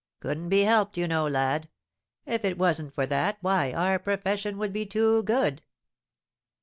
Couldn't be helped, you know, lad! If it wasn't for that, why, our profession would be too good."